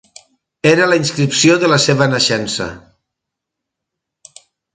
Era la inscripció de la seva naixença.